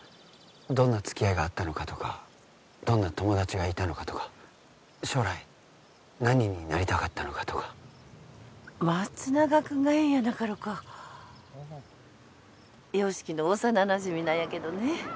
どんなつきあいがあったのかとかどんな友達がいたのかとか将来何になりたかったのかとか松永君がええんやなかろか・ああ由樹の幼なじみなんやけどね